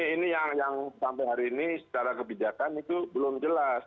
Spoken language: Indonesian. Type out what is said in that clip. ini yang sampai hari ini secara kebijakan itu belum jelas